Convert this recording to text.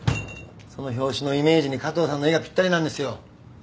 その表紙のイメージに加藤さんの絵がぴったりなんですよ。